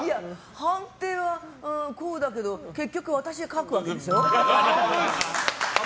判定はこうだけど結局私が書くわけでしょ？